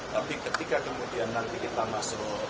tapi ketika kemudian nanti kita masuk